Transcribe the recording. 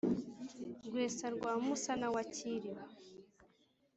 rwesa rwa musana wa cyilima